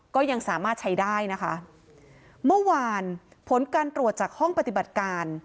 ก็ยังสามารถใช้ได้นะคะเมื่อวานผลการตรวจจากห้องปฏิบัติการ